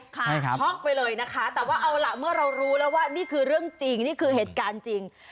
ช่องไปเลยนะคะแต่พอเรารู้นี่คือเรื่องจริงนี่คือเหตุการณ์จริง